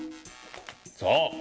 そう！